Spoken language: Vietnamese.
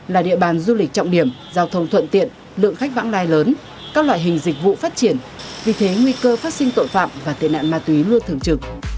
là địa bàn du lịch trọng điểm giao thông thuận tiện lượng khách vãng đai lớn các loại hình dịch vụ phát triển vì thế nguy cơ phát sinh tội phạm và tệ nạn ma túy luôn thường trực